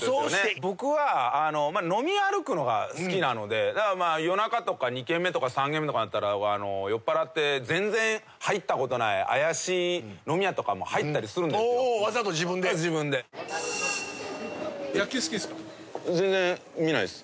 僕はだからまあ夜中とか２軒目とか３軒目とかになったら酔っ払って全然入ったことない怪しい飲み屋とかも入ったりするんですよわざと自分で自分で野球好きですか？